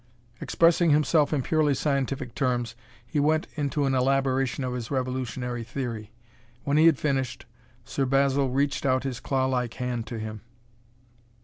Expressing himself in purely scientific terms, he went into an elaboration of his revolutionary theory. When he had finished, Sir Basil reached out his clawlike hand to him.